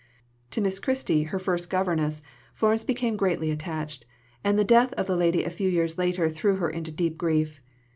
To Miss Christie, her first governess, Florence became greatly attached, and the death of the lady a few years later threw her into deep grief.